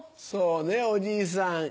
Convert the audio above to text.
そうねおじいさん。